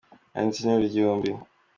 Naditse interuro igihumbi.